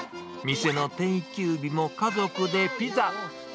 店の定休日も家族でピザ。